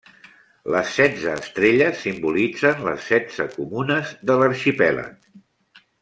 Les setze estrelles simbolitzen les setze comunes de l'arxipèlag.